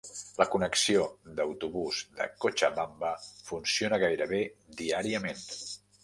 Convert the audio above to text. La connexió d'autobús de Cochabamba funciona gairebé diàriament.